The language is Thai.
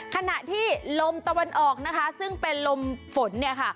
ขณะที่ลมตะวันออกนะคะซึ่งเป็นลมฝนเนี่ยค่ะ